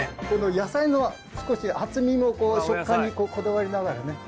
野菜の少し厚みも食感にこだわりながらね。